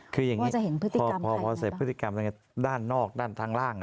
คืออย่างนี้พอเสร็จพฤติกรรมด้านนอกด้านทางล่าง